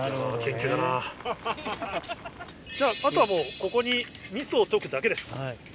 じゃああとはもうここに味噌をとくだけです。